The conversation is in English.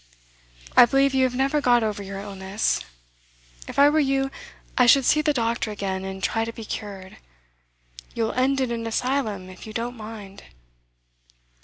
'I believe you have never got over your illness. If I were you, I should see the doctor again, and try to be cured. You'll end in an asylum, if you don't mind.